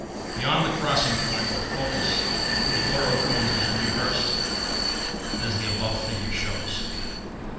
Beyond the crossing point or focus the order of cones is reversed, as the above figure shows.